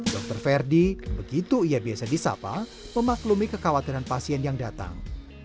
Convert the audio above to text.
dokter ferdi begitu ia biasa disapa memaklumi kekhawatiran pasien yang datang